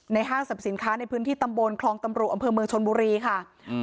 ห้างสรรพสินค้าในพื้นที่ตำบลคลองตำรุอำเภอเมืองชนบุรีค่ะอืม